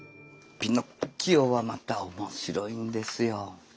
「ピノッキオ」はまた面白いんですよ。